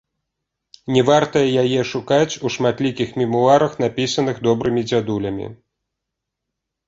Не варта яе шукаць у шматлікіх мемуарах, напісаных добрымі дзядулямі.